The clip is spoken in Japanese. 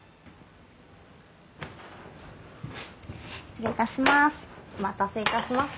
失礼いたします。